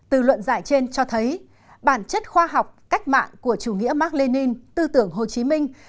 từ luận giải trên cho thấy bản chất khoa học cách mạng của chủ nghĩa mark lenin tư tưởng hồ chí minh